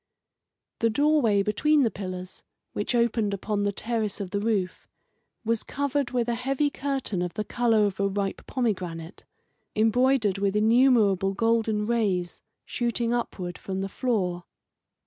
The doorway between the pillars, which opened upon the terrace of the roof, was covered with a heavy curtain of the colour of a ripe pomegranate, embroidered with innumerable golden rays shooting upward from the floor.